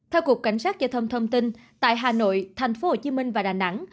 theo cục cảnh sát giao thông thông tin tại hà nội thành phố hồ chí minh và đà nẵng